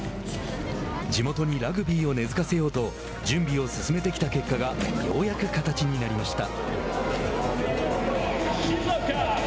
地元にラグビーを根づかせようと準備を進めてきた結果がようやく形になりました。